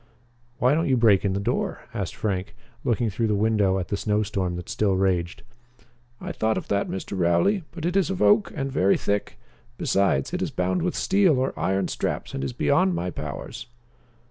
"Why don't you break in the door?" asked Frank, looking through the window at the snow storm that still raged. "I thought of that, Mr. Rowley, but it is of oak and very thick. Besides, it is bound with steel or iron straps and is beyond my powers."